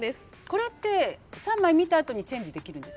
これって３枚見た後にチェンジできるんですか？